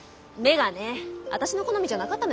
私の好みじゃなかったのよね。